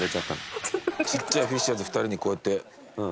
ちっちゃいフィッシャーズ２人にこうやってエルボー食らって。